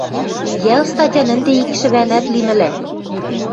— Йӓл статян ӹнде икшӹвӓнӓт лимӹлӓ.